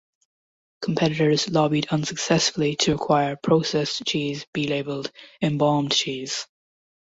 Competitors lobbied unsuccessfully to require processed cheese be labeled "embalmed cheese".